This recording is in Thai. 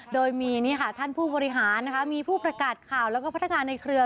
โดยมีท่านผู้บริหารมีผู้ประกาศข่าวแล้วก็พัฒนาในเครือ